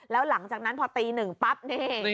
แล้วหลังจากนั้นพอตีหนึ่งปั๊บนี่